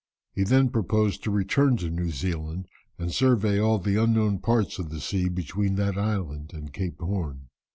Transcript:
He then proposed to return to New Zealand and survey all the unknown parts of the sea between that island and Cape Horn.